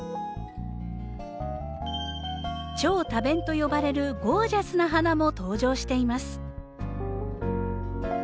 超多弁と呼ばれるゴージャスな花も登場しています。